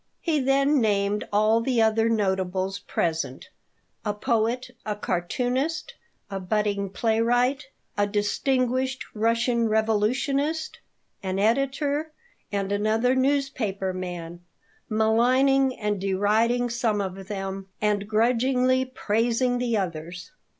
He then named all the "other notables present" a poet, a cartoonist, a budding playwright, a distinguished Russian revolutionist, an editor, and another newspaper man maligning and deriding some of them and grudgingly praising the others.